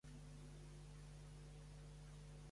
El vint-i-nou de febrer en Blai irà a Muro.